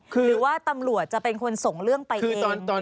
หรือว่าตำรวจจะเป็นคนส่งเรื่องไปเองหรือยังไงครับ